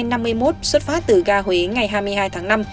xuất phát từ ga huế ngày hai mươi hai tháng năm